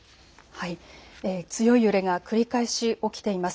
強い揺れが繰り返し起きています。